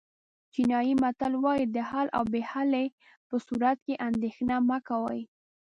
چینایي متل وایي د حل او بې حلۍ په صورت کې اندېښنه مه کوئ.